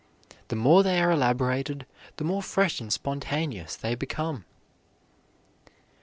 The more they are elaborated, the more fresh and spontaneous they become."